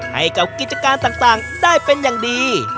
ให้กับกิจการต่างได้เป็นอย่างดี